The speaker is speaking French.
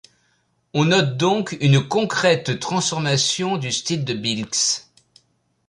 On note donc une concrète transformation du style de Billx.